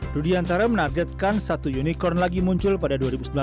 rudiantara menargetkan satu unicorn lagi muncul pada dua ribu sembilan belas